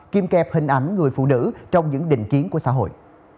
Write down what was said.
kìm kẹp hình ảnh người phụ nữ trong những định kiến của xã hội